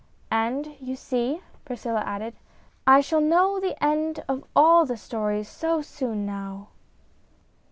" And you see," Priscilla added, " I shall know the end of all the stories so soon now."